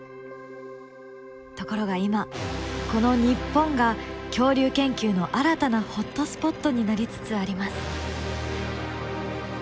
ところが今この日本が恐竜研究の新たなホットスポットになりつつあります。